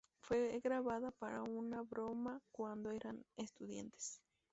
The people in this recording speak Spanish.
Fue grabada para una broma cuando eran estudiantes.